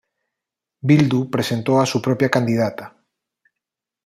Bildu presentó a su propia candidata.